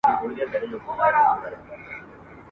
یو پراخ او ښکلی چمن دی !.